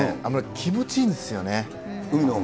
気持ちいいんですよね、海のほうが。